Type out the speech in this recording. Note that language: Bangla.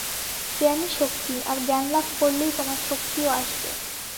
জ্ঞানই শক্তি আর জ্ঞানলাভ করলেই তোমার শক্তিও আসবে।